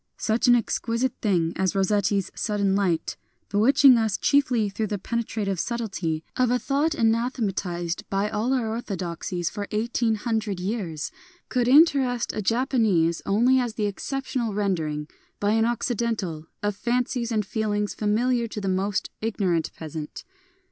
Such an exquisite thing as Eossetti's " Sudden Light," — bewitching us chiefly through the penetrative subtlety of a IN JAPANESE FOLK SONG 189 thought anathematized by all our orthodoxies for eighteen hundred years, — could interest a Japanese only as the exceptional rendering, by an Occidental, of fancies and feelings fa miliar to the most ignorant peasant.